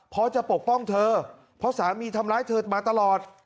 เพราะจะปกป้องเธอเพราะสามีทำร้ายเธอมาตลอด